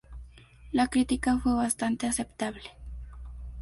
La crítica fue bastante aceptable.